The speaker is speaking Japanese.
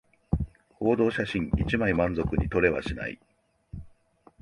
報道写真一枚満足に撮れはしない